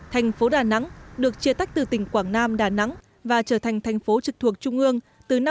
thành phố đà nẵng được chia tách từ tỉnh quảng nam đà nẵng và trở thành thành phố trực thuộc trung ương từ năm một nghìn chín trăm chín mươi bảy